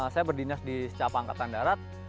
dua ribu delapan saya berdinas di secapa angkatan darat